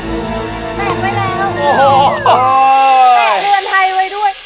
แตะเรือนไทยไว้ด้วย